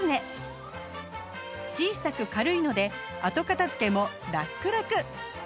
小さく軽いので後片付けもラックラク